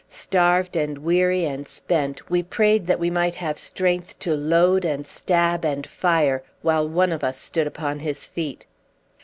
Starved and weary and spent, we prayed that we might have strength to load and stab and fire while one of us stood upon his feet.